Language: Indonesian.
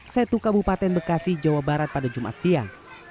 setu kabupaten bekasi jawa barat pada jumat siang